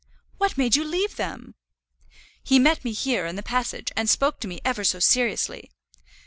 "What made you leave them?" "He met me here, in the passage, and spoke to me ever so seriously.